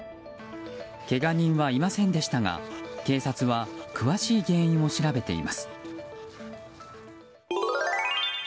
けが人はいませんでしたが警察は詳しい原因を調べています。